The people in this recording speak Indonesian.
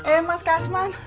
eh mas kasman